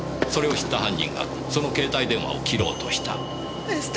それを知った犯人がその携帯電話を切ろうとした。